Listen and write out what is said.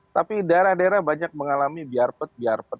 tapi daerah daerah banyak mengalami biarpet biarpet